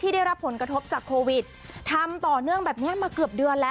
ได้รับผลกระทบจากโควิดทำต่อเนื่องแบบนี้มาเกือบเดือนแล้ว